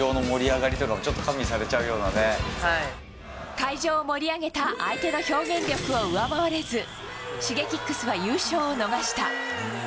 会場を盛り上げた相手の表現力を上回れずＳｈｉｇｅｋｉｘは優勝を逃した。